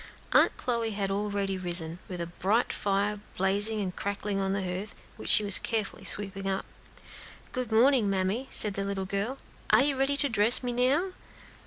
Aunt Chloe had already risen, and a bright fire was blazing and crackling on the hearth, which she was carefully sweeping up. "Good morning, mammy," said the little girl. "Are you ready to dress me now?"